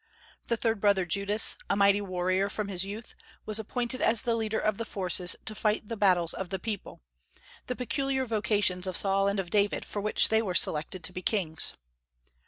The third brother, Judas, a mighty warrior from his youth, was appointed as the leader of the forces to fight the battles of the people, the peculiar vocations of Saul and of David, for which they were selected to be kings.